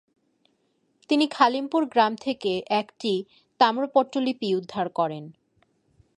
তিনি খালিমপুর গ্রাম থেকে একটি তাম্রপট্টলিপি উদ্ধার করেন।